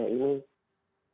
ya ini itu memang